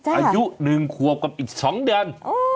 อายุ๑ขวบกับอีก๒เดือน